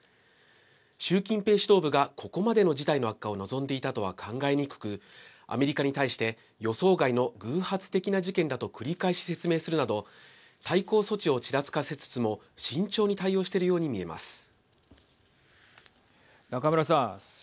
習近平指導部がここまでの事態の悪化を望んでいたとは考えにくくアメリカに対して予想外の偶発的な事件だと繰り返し説明するなど対抗措置をちらつかせつつも慎重に対応しているように見えます。